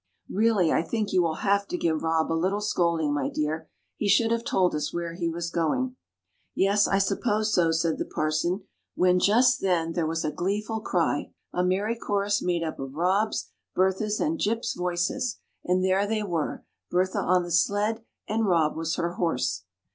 "Really, I think you will have to give Rob a little scolding, my dear. He should have told us where he was going." "Yes, I suppose so," said the parson; when just then there was a gleeful cry a merry chorus made up of Rob's, Bertha's, and Jip's voices, and there they were, Bertha on the sled, and Rob was her horse.